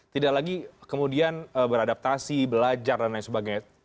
tidak lagi kemudian beradaptasi belajar dan lain sebagainya